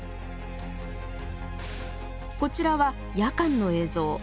こちらは夜間の映像。